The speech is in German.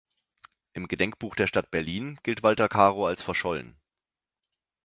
Im Gedenkbuch der Stadt Berlin gilt Walter Caro als verschollen.